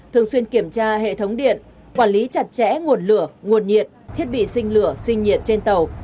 thường xuyên kiểm tra hệ thống điện quản lý chặt chẽ nguồn lửa nguồn nhiệt thiết bị sinh lửa sinh nhiệt trên tàu